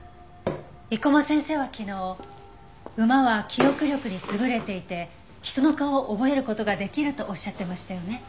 生駒先生は昨日馬は記憶力に優れていて人の顔を覚える事ができるとおっしゃってましたよね。